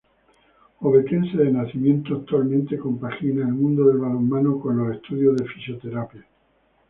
Ovetense de nacimiento, actualmente compagina el mundo del balonmano con los estudios de fisioterapia.